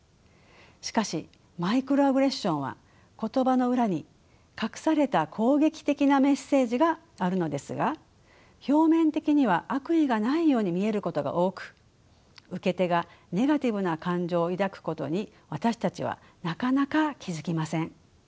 しかしマイクロアグレッションは言葉の裏に隠された攻撃的なメッセージがあるのですが表面的には悪意がないように見えることが多く受け手がネガティブな感情を抱くことに私たちはなかなか気付きません。